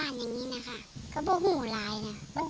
ฝั่งนี้เขาจะรักกัน